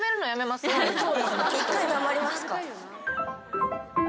１回黙りますか。